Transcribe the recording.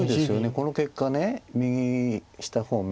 この結果右下方面